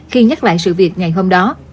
khi nhắc lại sự việc ngày hôm đó